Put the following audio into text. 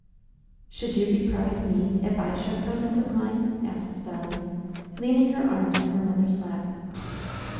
"Should you be proud of me if I showed presence of mind?" asked Dolly, leaning her arms on her mother's lap.